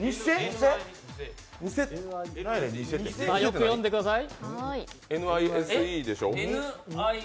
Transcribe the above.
よく読んでください。